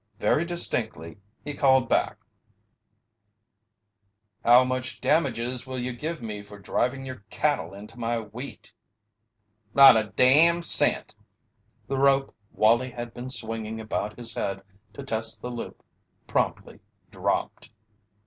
Very distinctly he called back: "How much damages will you give me for driving your cattle into my wheat?" "Not a damn cent!" The rope Wallie had been swinging about his head to test the loop promptly dropped.